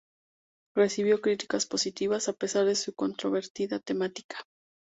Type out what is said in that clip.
Recibió críticas positivas a pesar de su controvertida temática.